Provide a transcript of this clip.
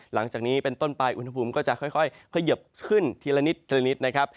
หลังจากนี้เป็นต้นไปอุณหภูมิก็จะค่อยเขยิบขึ้นทีละนิดทีละนิดนะครับ